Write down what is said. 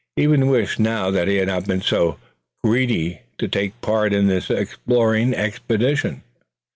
He even wished now that he had not been so greedy to take part in this exploring expedition.